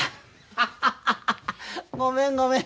ハハハハハごめんごめん。